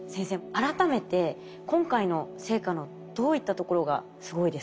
改めて今回の成果のどういったところがすごいですか？